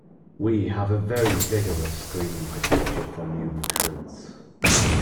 We have a very vigorous screening procedure for new recruits.